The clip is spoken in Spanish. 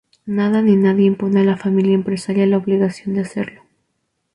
Nada ni nadie impone a la familia empresaria la obligación de hacerlo.